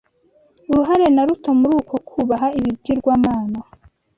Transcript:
uruhare na ruto muri uko kubaha ibigirwamana